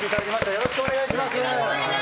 よろしくお願いします。